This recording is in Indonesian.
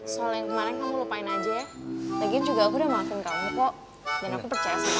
soalnya yang kemarin kamu lupain aja ya lagian juga aku udah maafin kamu kok dan aku percaya sama kamu